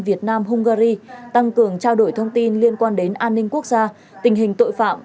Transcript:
việt nam hungary tăng cường trao đổi thông tin liên quan đến an ninh quốc gia tình hình tội phạm